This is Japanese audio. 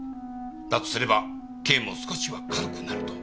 だとすれば刑も少しは軽くなると。